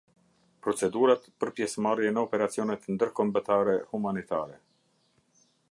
Procedurat për pjesëmarrje në operacionet ndërkombëtare humanitare.